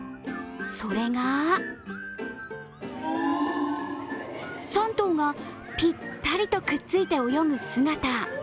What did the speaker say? それが３頭がぴったりとくっついて泳ぐ姿。